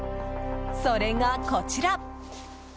それがこちら。